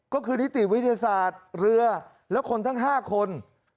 ก็คือนิติวิทยาศาสตร์เรือและคนทั้ง๕คน